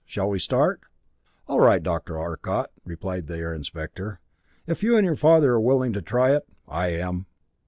Shall we start?" "All right, Dr. Arcot," replied the Air Inspector. "If you and your father are willing to try it, I am."